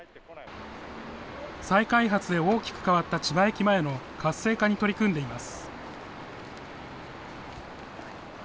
再開発で大きく変わった千葉駅前の活性化に取り組んでいます。